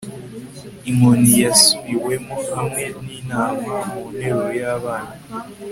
inkoni yasubiwemo, hamwe n'inama mu nteruro y'abana